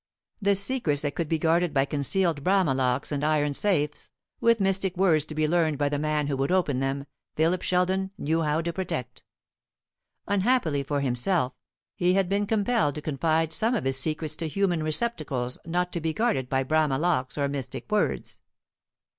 The secrets that could be guarded by concealed Bramah locks and iron safes, with mystic words to be learned by the man who would open them, Philip Sheldon knew how to protect. Unhappily for himself, he had been compelled to confide some of his secrets to human receptacles not to be guarded by Bramah locks or mystic words.